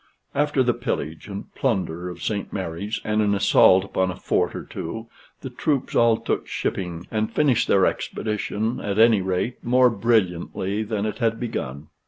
After the pillage and plunder of St. Mary's and an assault upon a fort or two, the troops all took shipping, and finished their expedition, at any rate, more brilliantly than it had begun.